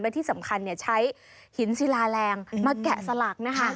และที่สำคัญเนี้ยใช้หินซีลาแลงมาแกะสลักนะฮะครับ